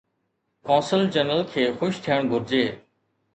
قونصل جنرل کي خوش ٿيڻ گهرجي.